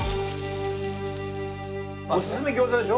おすすめ餃子でしょ？